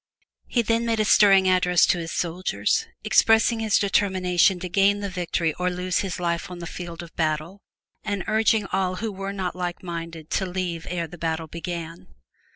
He then made a stirring address to his soldiers, expressing his determination to gain the victory or lose his life on the field of battle and urging all who were not like minded to leave ere the battle began.